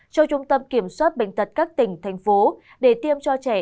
cho trung tâm kiểm soát bệnh tật các tỉnh thành phố để tiêm cho trẻ